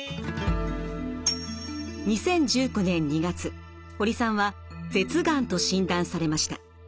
２０１９年２月堀さんは舌がんと診断されました。